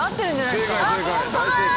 正解正解！